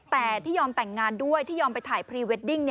แต่ที่ยอมแต่งงานด้วยที่ยอมไปถ่ายพรีเวดดิ้ง